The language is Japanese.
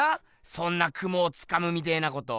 そんな雲をつかむみてえなこと。